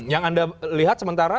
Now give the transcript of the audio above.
yang anda lihat sementara